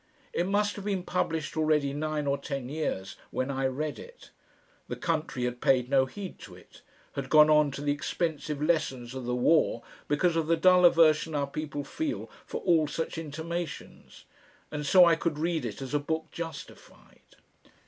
It must have been published already nine or ten years when I read it. The country had paid no heed to it, had gone on to the expensive lessons of the War because of the dull aversion our people feel for all such intimations, and so I could read it as a book justified.